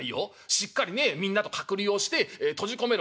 しっかりねみんなと隔離をして閉じ込めろ。